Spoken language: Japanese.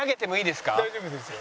大丈夫ですよ。